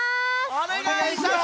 おねがいします。